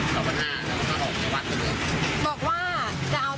ใช่ออกให้แฟนเข้าไปในครัว